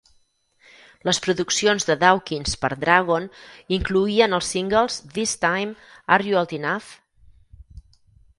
Les produccions de Dawkins per Dragon incloïen els singles "This Time", "Are You Old Enough?